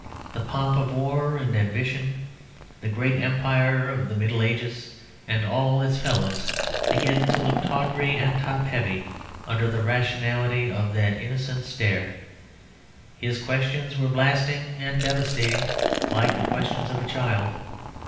The pomp of war and ambition, the great empire of the Middle Ages, and all its fellows begin to look tawdry and top heavy, under the rationality of that innocent stare. His questions were blasting and devastating, like the questions of a child.